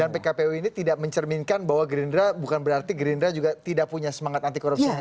dan pkpw ini tidak mencerminkan bahwa gerindra bukan berarti gerindra juga tidak punya semangat anti korupsi yang sama ya